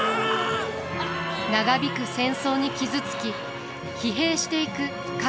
長引く戦争に傷つき疲弊していく家臣たち。